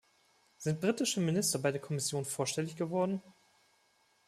Sind britische Minister bei der Kommission vorstellig geworden?